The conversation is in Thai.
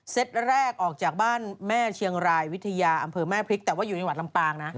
แรกออกจากบ้านแม่เชียงรายวิทยาอำเภอแม่พริกแต่ว่าอยู่จังหวัดลำปางนะ